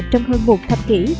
trong hơn một thập kỷ